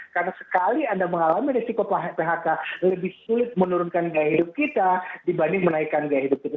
karena sekali anda mengalami risiko phk lebih sulit menurunkan gaya hidup kita dibanding menaikkan gaya hidup kita